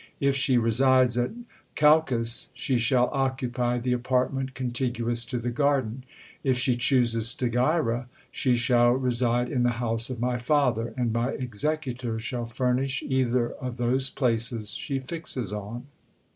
If she resides at Chalcis, she shall occupy the apartment contiguous to the garden; if she chooses Stagyra, she shall reside in the house of my father, and my executors shall furnish either of those places she fixes on."